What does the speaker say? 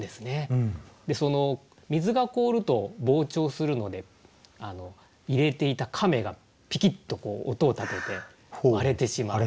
その水が凍ると膨張するので入れていた甕がピキッと音を立てて割れてしまう。